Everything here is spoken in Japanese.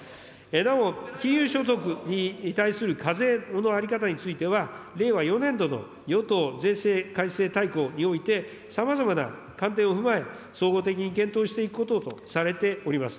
なお、金融所得に対する課税の在り方については、令和４年度の与党税制改正大綱において、さまざまな観点を踏まえ、総合的に検討していくこととされております。